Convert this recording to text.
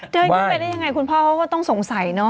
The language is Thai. เดินขึ้นไปได้ยังไงคุณพ่อก็ต้องสงสัยเนอะ